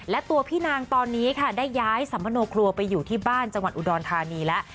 และตัวพี่นางตอนนี้ค่ะได้ย้ายสัมมโนครัวไปอยู่ที่บ้านจังหวัดอุดรธานีแล้ว